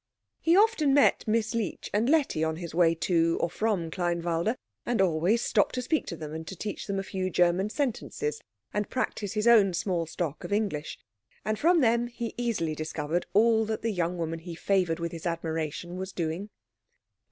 He often met Miss Leech and Letty on his way to or from Kleinwalde, and always stopped to speak to them and to teach them a few German sentences and practise his own small stock of English; and from them he easily discovered all that the young woman he favoured with his admiration was doing.